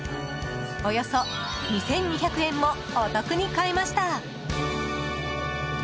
およそ２２００円もお得に買えました。